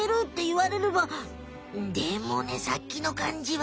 うんでもねさっきのかんじは。